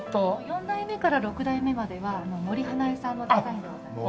４代目から６代目までは森英恵さんのデザインでございます。